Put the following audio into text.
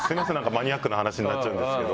マニアックな話になっちゃうんですけど。